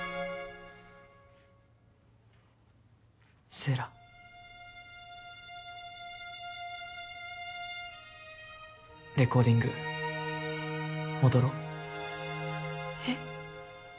セイラレコーディング戻ろうえっ！？